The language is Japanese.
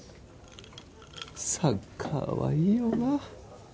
サッカーはいいよな